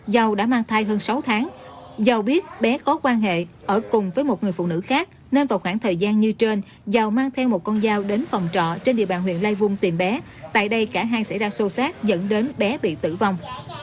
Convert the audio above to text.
dâu đã mang thai hơn sáu tháng giàu biết bé có quan hệ ở cùng với một người phụ nữ khác nên vào khoảng thời gian như trên giao mang theo một con dao đến phòng trọ trên địa bàn huyện lai vung tìm bé tại đây cả hai xảy ra sâu sát dẫn đến bé bị tử vong